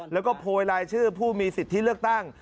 แล้วก็โพยรายชื่อผู้มีสิทธิเลือกตั้ง